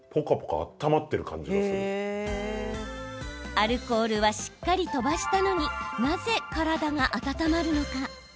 アルコールはしっかり飛ばしたのになぜ体が温まるのか。